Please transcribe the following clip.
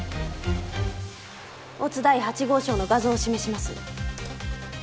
乙第８号証の画像を示します。